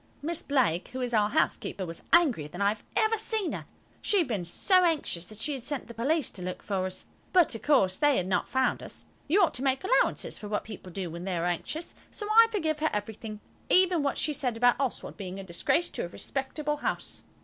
Miss Blake, who is our housekeeper, was angrier than I have ever seen her. She had been so anxious that she had sent the police to look for us. But, of course, they had not found us. You ought to make allowances for what people do when they are anxious, so I forgive her everything, even what she said about Oswald being a disgrace to a respectable house.